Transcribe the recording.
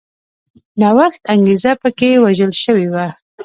نوښت انګېزه په کې وژل شوې وه